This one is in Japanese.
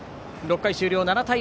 ６回終了、７対０。